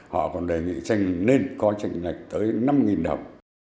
họ còn đề nghị tranh nên có tranh lệch tới năm đồng